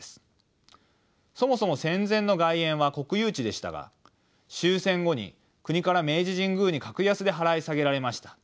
そもそも戦前の外苑は国有地でしたが終戦後に国から明治神宮に格安で払い下げられました。